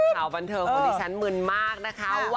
กล่าวบันเทอมโหลดิฉันมึนมากนะคะ